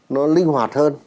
nó linh hoạt hơn